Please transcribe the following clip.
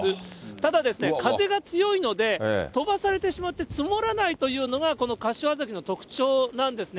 ただですね、風が強いので飛ばされてしまって積もらないというのが、この柏崎の特徴なんですね。